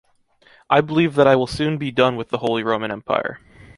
I believe I will soon be done with the Holy Roman Empire.